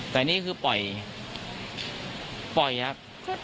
แต่นี่คือปล่อยครับ